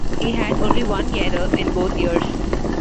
He had only one error in both years.